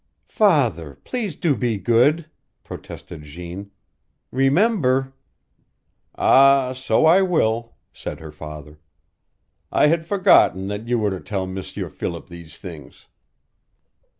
"Father, please do be good!" protested Jeanne. "Remember!" "Ah, so I will," said her father. "I had forgotten that you were to tell M'sieur Philip these things."